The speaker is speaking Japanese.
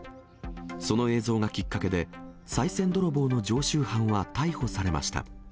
その映像がきっかけで、さい銭泥棒の常習犯は逮捕されました。